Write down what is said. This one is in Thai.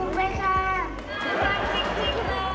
กลุ่มไปค่ะ